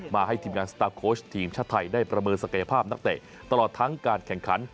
ให้ทีมงานสตาร์ฟโค้ชทีมชาติไทยได้ประเมินศักยภาพนักเตะตลอดทั้งการแข่งขัน